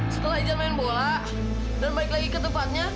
setelah izan main bola dan balik lagi ke tempatnya